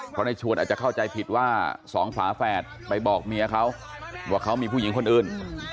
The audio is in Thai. เพราะในชวนอาจจะเข้าใจผิดว่าสองฝาแฝดไปบอกเมียเขาว่าเขามีผู้หญิงคนอื่น